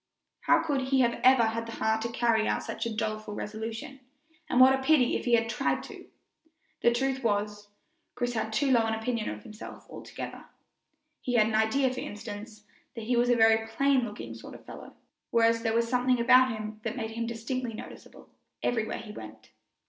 How could he ever have had the heart to carry out such a doleful resolution, and what a pity if he had tried to! The truth was, Chris had too low an opinion of himself altogether. He had an idea, for instance, that he was a very plain looking sort of a fellow, whereas there was something about him that made him distinctly noticeable everywhere he went.